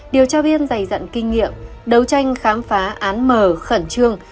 điều tra viên dày dặn kinh nghiệm đấu tranh khám phá án mở khẩn trương